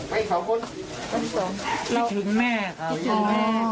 พี่ถึงแม่ค่ะ